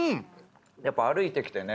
やっぱ歩いてきてね